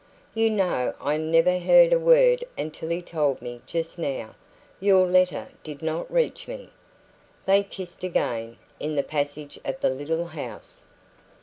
You know I never heard a word until he told me just now. Your letter did not reach me." They kissed again, in the passage of the little house.